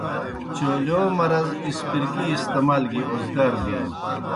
چولِیؤ مرض اسپرکی استعمال گی اوزگار ِبینیْ۔